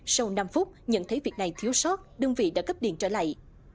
sau năm phút nhận thấy việc này thiếu sót đơn vị đã cấp điện trở lại